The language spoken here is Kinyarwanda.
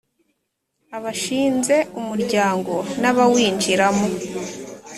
Abashinze umuryango n abawinjiramo